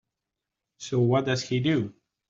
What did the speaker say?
So what does he do?